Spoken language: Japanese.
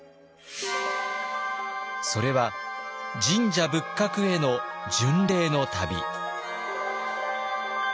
それは神社仏閣への巡礼の旅。